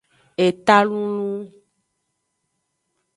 Eta lulun.